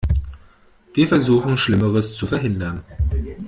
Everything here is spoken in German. Wir versuchen, Schlimmeres zu verhindern.